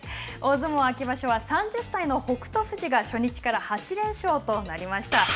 大相撲秋場所は３０歳の北勝富士が初日から８連勝となりました。